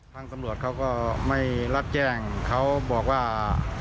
ทางตำรวจเขาก็ไม่รับแจ้งเขาบอกว่า